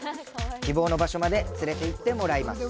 希望の場所まで連れて行ってもらいます。